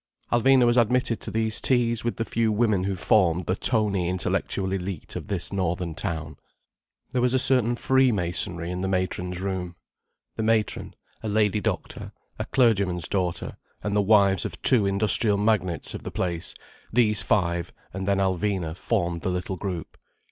Alvina was admitted to these teas with the few women who formed the toney intellectual élite of this northern town. There was a certain freemasonry in the matron's room. The matron, a lady doctor, a clergyman's daughter, and the wives of two industrial magnates of the place, these five, and then Alvina, formed the little group.